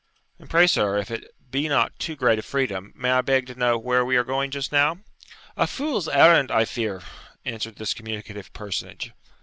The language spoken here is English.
'And pray, sir, if it be not too great a freedom, may I beg to know where we are going just now?' 'A fule's errand, I fear,' answered this communicative personage.